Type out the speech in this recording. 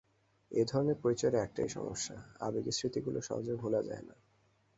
এ ধরনের পরিচয়ের একটাই সমস্যা, আবেগী স্মৃতিগুলো সহজে ভোলা যায় না।